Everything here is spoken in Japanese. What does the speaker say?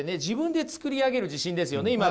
自分で作り上げる自信ですよね？